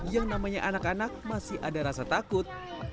yang namanya anak anak masih ada rasa takut